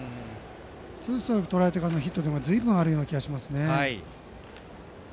ツーストライクとられてからのヒットがずいぶんある気がします。